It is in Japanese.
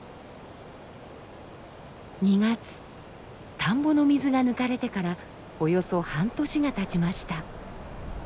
田んぼの水が抜かれてからおよそ半年がたちました。